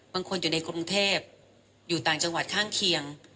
อยู่ในกรุงเทพอยู่ต่างจังหวัดข้างเคียง